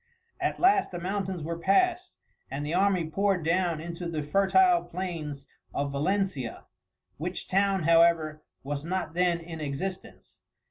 At last the mountains were passed, and the army poured down into the fertile plains of Valencia, which town, however, was not then in existence.